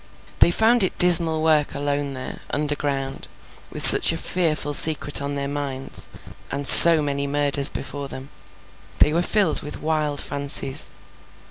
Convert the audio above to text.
They found it dismal work alone there, underground, with such a fearful secret on their minds, and so many murders before them. They were filled with wild fancies.